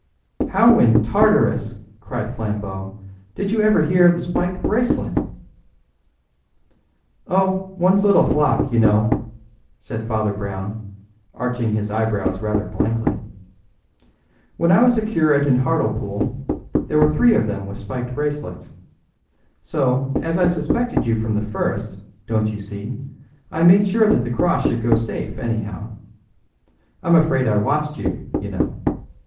"How in Tartarus," cried Flambeau, "did you ever hear of the spiked bracelet?" "Oh, one's little flock, you know!" said Father Brown, arching his eyebrows rather blankly. "When I was a curate in Hartlepool, there were three of them with spiked bracelets. So, as I suspected you from the first, don't you see, I made sure that the cross should go safe, anyhow. I'm afraid I watched you, you know.